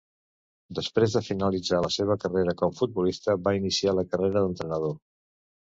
Després de finalitzar la seva carrera com futbolista va iniciar la carrera d'entrenador.